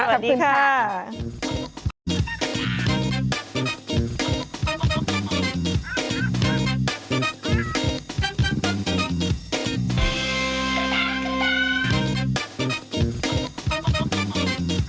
สวัสดีค่ะคุณภาพค่ะสวัสดีค่ะ